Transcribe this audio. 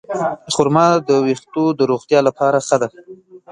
خرما د ویښتو د روغتیا لپاره ښه ده.